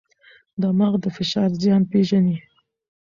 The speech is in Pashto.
دماغ د فشار زیان پېژني.